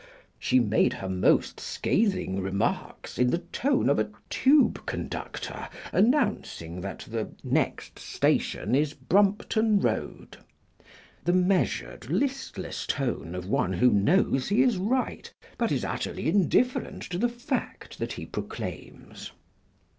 She made her most scathing remarks in the tone of a tube conductor announcing that the next station is Brompton Road—the measured, listless tone of one who knows he is right, but is utterly indifferent to the fact that he proclaims.